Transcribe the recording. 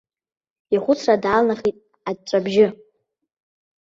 Ихәыцра даалнахит аҵәҵәабжьы.